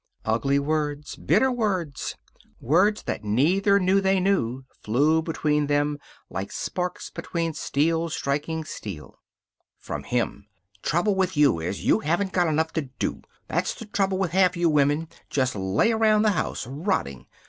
Ugly words. Bitter words. Words that neither knew they knew flew between them like sparks between steel striking steel. From him: "Trouble with you is you haven't got enough to do. That's the trouble with half you women. Just lay around the house, rotting.